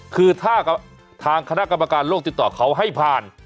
คือถ้าทางคณะกรรมการโลกติดต่อเขาให้ผ่าน